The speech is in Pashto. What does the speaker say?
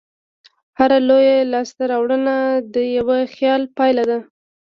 هره لویه لاستهراوړنه د یوه خیال پایله ده.